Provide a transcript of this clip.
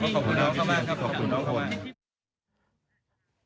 ขอบคุณน้องค่ะมากขอบคุณน้องค่ะมาก